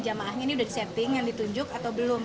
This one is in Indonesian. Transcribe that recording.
jamaahnya ini sudah setting yang ditunjuk atau belum